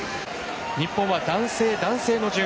日本は男性、男性の順。